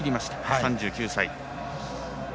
３９歳。